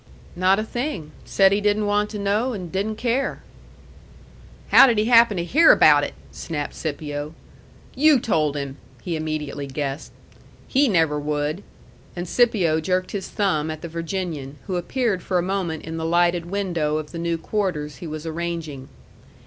"Not a thing. Said he didn't want to know and didn't care." "How did he happen to hear about it?" snapped Scipio. "You told him!" he immediately guessed. "He never would." And Scipio jerked his thumb at the Virginian, who appeared for a moment in the lighted window of the new quarters he was arranging.